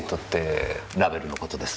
ラベルの事です。